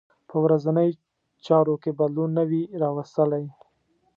په ورځنۍ چارو کې بدلون نه وي راوستلی.